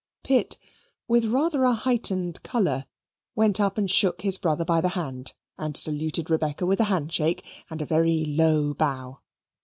Pitt, with rather a heightened colour, went up and shook his brother by the hand, and saluted Rebecca with a hand shake and a very low bow.